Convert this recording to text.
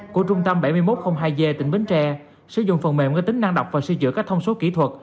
của trung tâm bảy nghìn một trăm linh hai g tỉnh bến tre sử dụng phần mềm có tính năng đọc và sửa chữa các thông số kỹ thuật